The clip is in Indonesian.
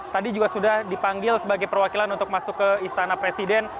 tadi juga sudah dipanggil sebagai perwakilan untuk masuk ke istana presiden